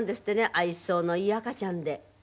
愛想のいい赤ちゃんで？